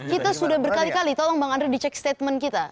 kita sudah berkali kali tolong bang andre dicek statement kita